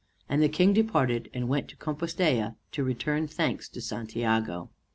And the King departed and went to Compostella, to return thanks to Santiago.